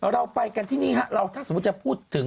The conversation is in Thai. เราไปกันที่นี่ฮะเราถ้าสมมุติจะพูดถึง